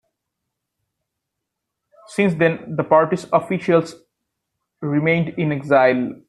Since then, the party's officials remained in exile.